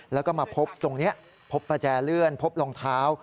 แล้วก็มาพบตรงนี้พบประแจเลื่อนพบรองเท้า